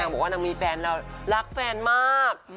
แม่งบอกว่านางมีแฟนเรารักแฟนมาก